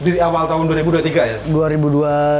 di awal tahun dua ribu dua puluh tiga ya